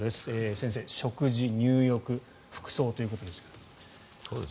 先生、食事、入浴服装ということですが。